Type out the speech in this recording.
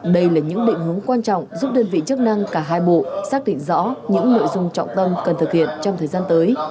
đây là những định hướng quan trọng giúp đơn vị chức năng cả hai bộ xác định rõ những nội dung trọng tâm cần thực hiện trong thời gian tới